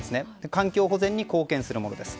環境保全に貢献するものです。